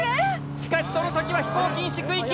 しかしその先は飛行禁止区域。